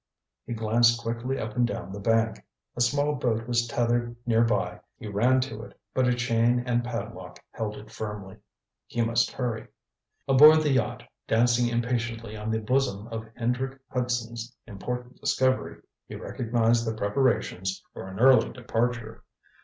He glanced quickly up and down the bank. A small boat was tethered near by he ran to it, but a chain and padlock held it firmly. He must hurry. Aboard the yacht, dancing impatiently on the bosom of Hendrick Hudson's important discovery, he recognized the preparations for an early departure.